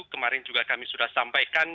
kemarin juga kami sudah sampaikan